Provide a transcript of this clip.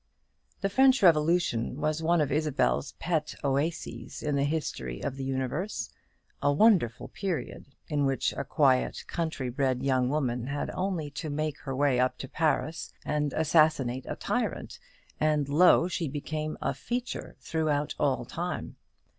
The French Revolution was one of Isabel's pet oases in the history of the universe. A wonderful period, in which a quiet country bred young woman had only to make her way up to Paris and assassinate a tyrant, and, lo, she became "a feature" throughout all time.